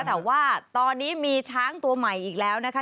แต่ว่าตอนนี้มีช้างตัวใหม่อีกแล้วนะคะ